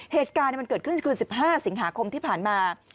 เหตุการณ์มันเกิดขึ้นคือ๑๕สิงหาคมที่ผ่านมา